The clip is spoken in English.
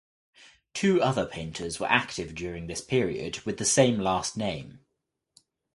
Two other painters were active during this period with the same last name.